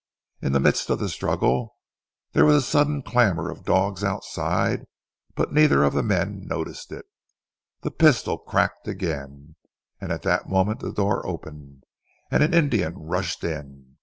In the midst of the struggle there was a sudden clamour of dogs outside, but neither of the men noticed it. The pistol cracked again, and at that moment the door opened, and an Indian rushed in.